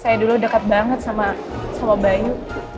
saya dulu dekat banget sama bayi